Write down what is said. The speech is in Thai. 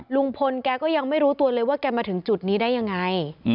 ลุงพลแกก็ยังไม่รู้ตัวเลยว่าแกมาถึงจุดนี้ได้ยังไง